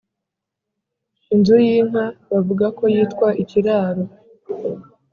Inzu y’Inka bavugako yitwa Ikiraro